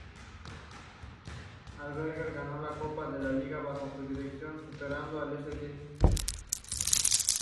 El Aberdeen ganó la Copa de la Liga, bajo su dirección, superando al St.